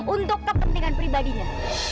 untuk kepentingan pribadinya